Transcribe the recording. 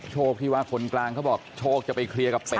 ที่ว่าคนกลางเขาบอกโชคจะไปเคลียร์กับเป็ด